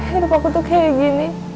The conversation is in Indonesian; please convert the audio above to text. hidup aku tuh kayak gini